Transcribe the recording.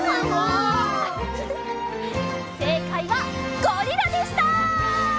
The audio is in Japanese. せいかいはゴリラでした！